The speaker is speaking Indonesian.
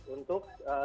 untuk dua tiga tahun